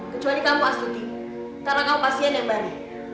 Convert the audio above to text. kecuali kamu astuti karena kau pasien yang baik